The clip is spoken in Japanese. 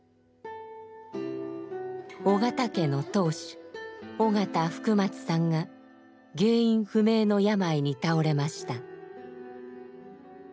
緒方家の当主緒方福松さんが原因不明の病に倒れました。